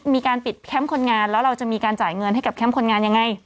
มีการปิดแคมป์คนงานแล้วเราจะมีการจ่ายเงินให้กับแคมป์คนงานยังไง